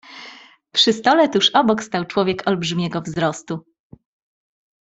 "Przy stole, tuż obok, stał człowiek olbrzymiego wzrostu."